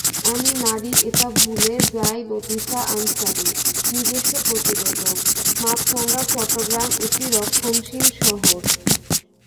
আমি নারী এটা ভুলে যাইলতিফা আনসারী, নিজস্ব প্রতিবেদক, মাছরাঙাচট্টগ্রাম একটি রক্ষণশীল শহর।